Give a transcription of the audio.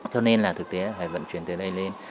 cho nên là thực tế là phải vận chuyển từ đây lên